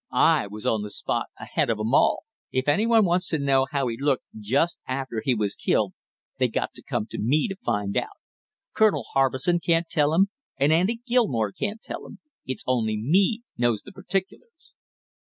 I was on the spot ahead of 'em all. If any one wants to know how he looked just after he was killed, they got to come to me to find out. Colonel Harbison can't tell 'em, and Andy Gilmore can't tell 'em; it's only me knows them particulars!"